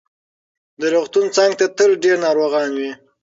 د روغتون څنګ ته تل ډېر ناروغان وي.